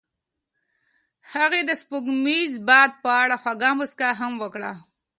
هغې د سپوږمیز باد په اړه خوږه موسکا هم وکړه.